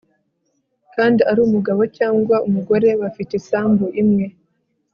kandi ari umugabo cyangwa umugore bafite isambu imwe